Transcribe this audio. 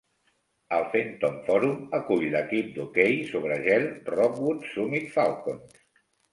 El Fenton Forum acull l'equip d'hoquei sobre gel Rockwood Summit Falcons.